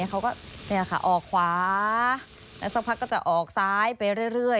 เขาก็ออกขวาแล้วสักพักก็จะออกซ้ายไปเรื่อย